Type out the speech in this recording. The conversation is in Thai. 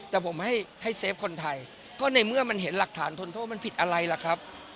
แต่ผมให้เซฟคนไทยก็ในเมื่อมันเห็นหลักฐานทนโทษมันผิดอะไรล่ะครับ